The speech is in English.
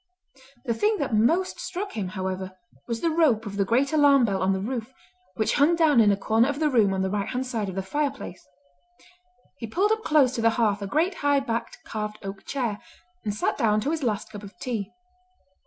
The thing that most struck him, however, was the rope of the great alarm bell on the roof, which hung down in a corner of the room on the right hand side of the fireplace. He pulled up close to the hearth a great high backed carved oak chair, and sat down to his last cup of tea.